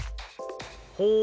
ほう！